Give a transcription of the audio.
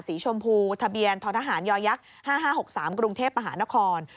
สีชมพูทะเบียนททหารยักษ๕๕๖๓กรุงเทพมหานคร